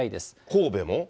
神戸も？